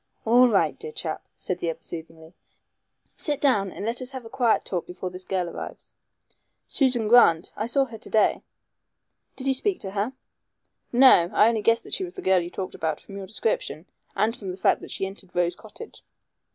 "All right, my dear chap," said the other soothingly, "sit down and let us have a quiet talk before this girl arrives." "Susan Grant. I saw her to day." "Did you speak to her?" "No. I only guessed that she was the girl you talked about from your description and from the fact that she entered Rose Cottage."